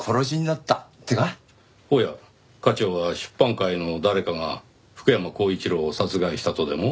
おや課長は出版界の誰かが福山光一郎を殺害したとでも？